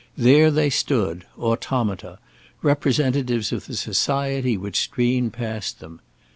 There they stood, automata, representatives of the society which streamed past them.